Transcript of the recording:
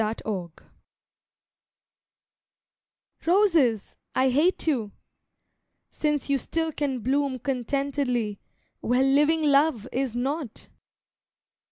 TO ROSES Roses, I hate you! since you still can bloom Contentedly, where living love is not!